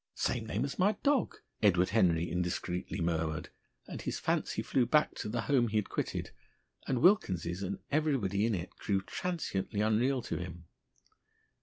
"Same name as my dog," Edward Henry indiscreetly murmured; and his fancy flew back to the home he had quitted, and Wilkins's and everybody in it grew transiently unreal to him.